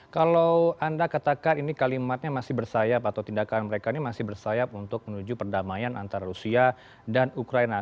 kalau anda katakan ini kalimatnya masih bersayap atau tindakan mereka ini masih bersayap untuk menuju perdamaian antara rusia dan ukraina